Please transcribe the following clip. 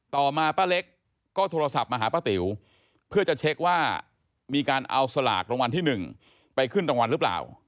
ต่อมาป้าเล็กก็โทรศัพท์มาหาป้าติ๋วเพื่อจะเช็คว่ามีการเอาสลากรางวัลที่๑ไปขึ้นรางวัลหรือเปล่า